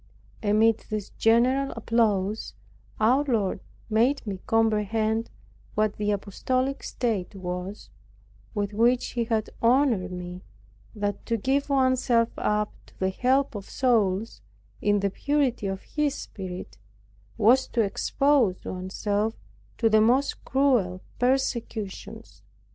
Amid this general applause, our Lord made me comprehend what the apostolic state was, with which He had honored me; that to give one's self up to the help of souls, in the purity of His Spirit, was to expose one's self to the most cruel persecutions.